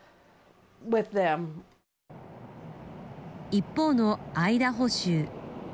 一方のアイダホ州。